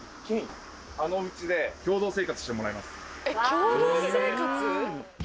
共同生活？